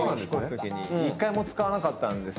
１回も使わなかったんです